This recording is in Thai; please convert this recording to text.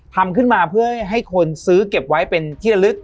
ทำขึ้นมาเพื่อให้คนซื้อเก็บไว้เป็นที่ละลึก